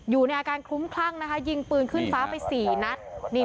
อยู่ในอาการคลุ้มคลั่งนะคะยิงปืนขึ้นฟ้าไป๔นัด